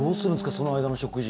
その間の食事。